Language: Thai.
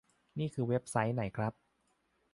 นี่คือเว็บไซต์ไหนครับ